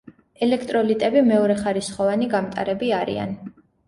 ელექტროლიტები მეორეხარისხოვანი გამტარები არიან.